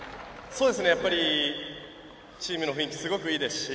やっぱり、チームの雰囲気すごくいいですし